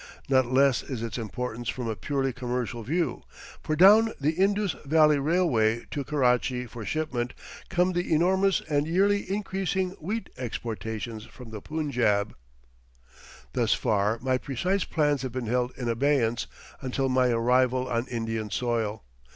Not less is its importance from a purely commercial view; for down the Indus Valley Railway to Karachi for shipment, come the enormous and yearly increasing wheat exportations from the Punjab. Thus far my precise plans have been held in abeyance until my arrival on Indian soil.